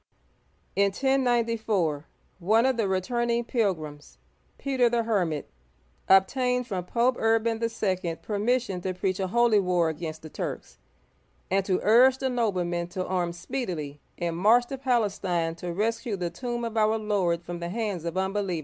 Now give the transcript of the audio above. In 1094, one of the returning pilgrims, Peter the Hermit, obtained from Pope Urban II. (a Frenchman) permission to preach a holy war against the Turks, and to urge the noblemen to arm speedily and march to Palestine to rescue the tomb of our Lord from the hands of unbelievers.